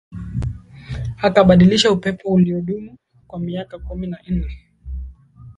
akabadilisha upepo uliodumu kwa miaka kumi na nne